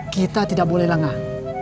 kita tidak boleh lengah